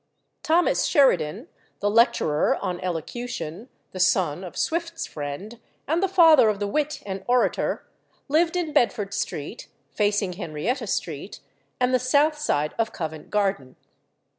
Thomas Sheridan, the lecturer on elocution, the son of Swift's friend, and the father of the wit and orator, lived in Bedford Street, facing Henrietta Street and the south side of Covent Garden.